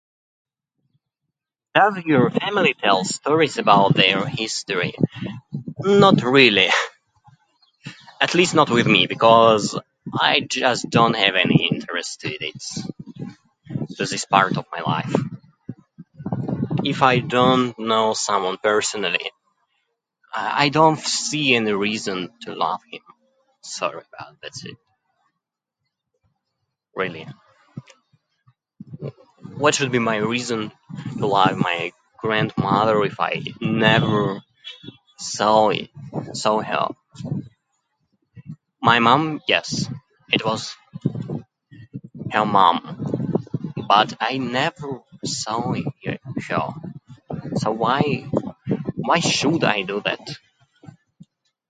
Does your family tell stories about their history? Not really. At least not with me because I just don't have any interest in this... in this part of my life. If I don't know someone personally, I I don't see any reason to love him. Sorry, but that's it, really. What should be my reason why my grandmother if I never saw it- saw her? My mom? Yes. It was ... her mom. But I never saw her so... so why, why should I do that?